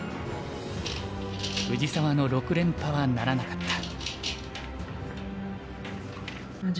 藤沢の６連覇はならなかった。